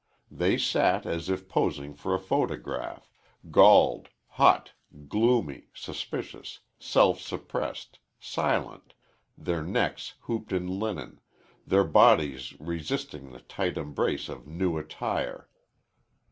They sat, as if posing for a photograph, galled, hot, gloomy, suspicious, self suppressed, silent, their necks hooped in linen, their bodies resisting the tight embrace of new attire.